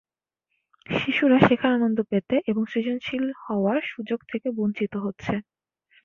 শিশুরা শেখার আনন্দ পেতে এবং সৃজনশীল হওয়ার সুযোগ থেকে বঞ্চিত হচ্ছে।